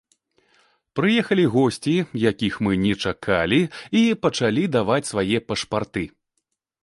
Прыехалі госці, якіх мы не чакалі, і пачалі даваць свае пашпарты.